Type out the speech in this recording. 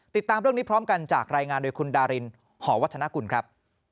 ติดตามเรื่องนี้พร้อมกันจากรายงานโดยคุณดารินหอวัฒนกุลครับ